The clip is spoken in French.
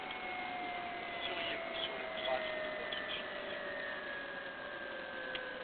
Seriez-vous sur les traces de votre fils ?